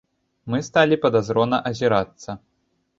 Мы сталі падазрона азірацца.